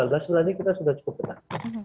sebenarnya kita sudah cukup ketat